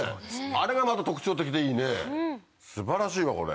あれがまた特徴的でいいね素晴らしいわこれ。